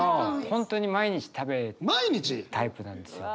本当に毎日食べるタイプなんですよ。